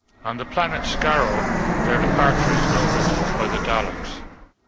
On the planet Skaro, their departure is noted by the Daleks.